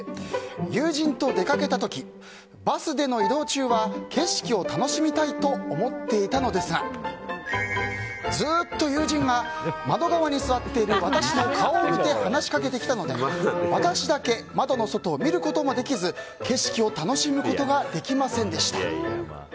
友人と出かけた時バスでの移動中は景色を楽しみたいと思っていたのですがずっと友人が窓側に座っている私の顔を見て話しかけてきたので私だけ窓の外を見ることもできず景色を楽しむことができませんでした。